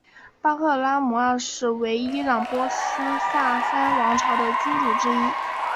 巴赫拉姆二世为伊朗波斯萨珊王朝的君主之一。